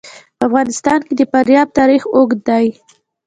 په افغانستان کې د فاریاب تاریخ اوږد دی.